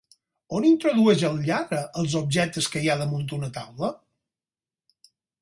On introdueix el lladre els objectes que hi ha damunt una taula?